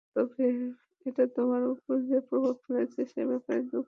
তবে, এটা তোমার উপর যে প্রভাব ফেলেছে সে ব্যাপারে দুঃখিত!